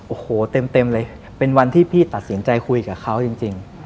โอ้โหเต็มเลยเป็นวันที่พี่ตัดสินใจคุยกับเขาจริง